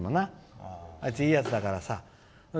あいつ、いいやつだからさ。